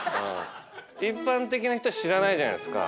一般的な人は知らないじゃないですか。